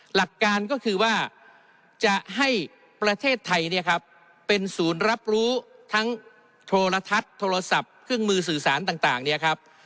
หลักการก็คือว่าจะให้ประเทศไทยเนี่ยครับเป็นศูนย์รับรู้ทั้งโทรทัศน์โทรศัพท์เครื่องมือสื่อสารต่างเนี่ยครับ